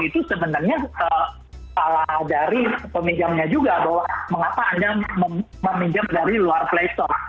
itu sebenarnya salah dari peminjamnya juga bahwa mengapa anda meminjam dari luar play store